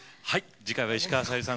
次回は石川さゆりさん